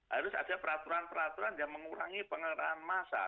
harus ada peraturan peraturan yang mengurangi pengerahan massa